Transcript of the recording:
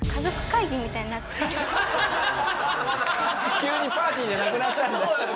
急にパーティーじゃなくなったんだ。